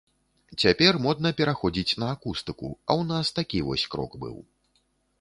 Цяпер модна пераходзіць на акустыку, а ў нас такі вось крок быў.